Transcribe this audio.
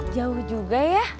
jauh juga ya